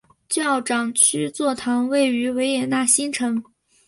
教长区座堂位于维也纳新城。